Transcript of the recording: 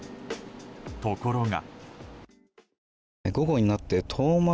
ところが。